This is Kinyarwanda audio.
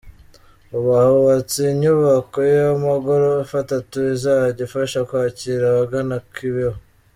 Ubu hubatse inyubako y’amagorofa atatu izajya ifasha kwakira abagana Kibeho.